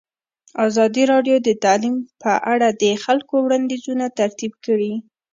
ازادي راډیو د تعلیم په اړه د خلکو وړاندیزونه ترتیب کړي.